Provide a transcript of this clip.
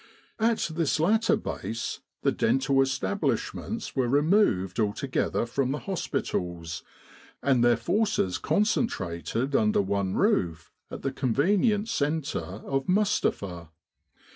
At this latter Base the dental establishments were removed altogether from the hospitals, and their forces concentrated under one roof at the convenient centre of Mustapha.